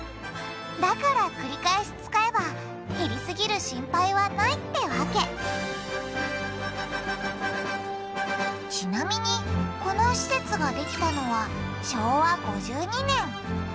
だからくりかえし使えば減りすぎる心配はないってわけちなみにこの施設ができたのは昭和５２年。